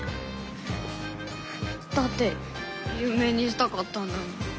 だってゆう名にしたかったんだもん。